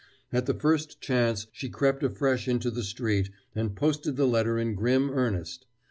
At the first chance she crept afresh into the street, and posted the letter in grim earnest.